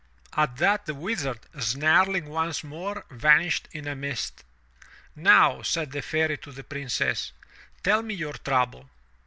At that, the Wizard, snarling once more, vanished in a mist. "Now," said the Fairy to the Princess, "tell me your trouble."